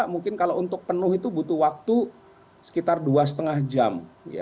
mungkin kalau untuk penuh itu butuh waktu sekitar dua lima jam